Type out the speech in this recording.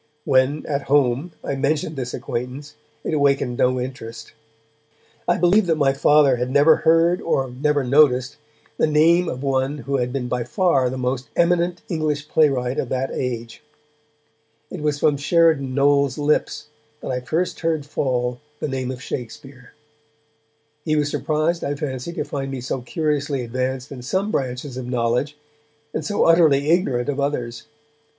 When, at home, I mentioned this acquaintance, it awakened no interest. I believe that my Father had never heard, or never noticed, the name of one who had been by far the most eminent English playwright of that age. It was from Sheridan Knowles' lips that I first heard fall the name of Shakespeare. He was surprised, I fancy, to find me so curiously advanced in some branches of knowledge, and so utterly ignorant of others.